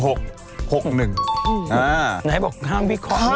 ไหนบอกน้ำพี่ข้อหวย